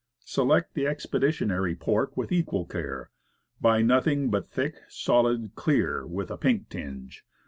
Select the expeditionary pork with equal care, buy ing nothing but thick, solM, "clear," with a pink tinge.